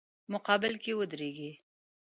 مقابل کې ودریږي.